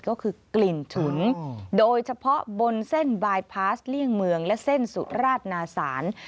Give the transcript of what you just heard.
ก็คือกลิ่นฉุนโดยเฉพาะบนเส้นบายพาสเลี่ยงเมืองและเส้นสุราชนาศาล